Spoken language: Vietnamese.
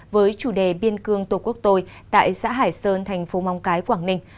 với chủ đề biên cương tổ quốc tôi tại xã hải sơn thành phố móng cái quảng ninh